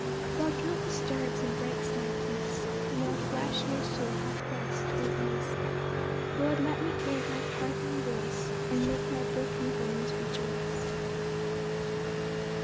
7 While guilt disturbs and breaks my peace, Nor flesh, nor soul hath rest or ease; Lord, let me hear thy pardoning voice, And make my broken bones rejoice.